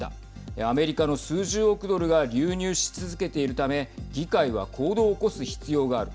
アメリカの数十億ドルが流入し続けているため議会は行動を起こす必要がある。